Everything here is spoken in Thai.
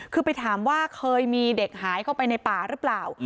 คือไปถามว่าเคยมีเด็กหายเข้าไปในป่าหรือเปล่า